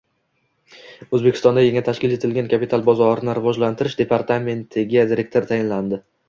O‘zbekistonda yangi tashkil etilgan Kapital bozorini rivojlantirish departamentiga direktor tayinlandi